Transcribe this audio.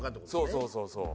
そうそうそうそう。